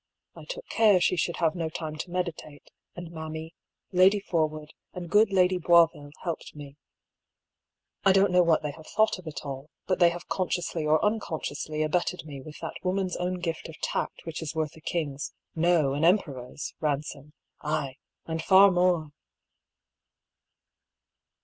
I took care she should have no time to meditate, and mammy. Lady Porwood, and good Lady Boisville helped me. I don't know what they have thought of it all, but they have consciously or unconsciously abetted me with that woman's own gift of tact which is worth a king's — no, an emperor's — ransom, aye, and far more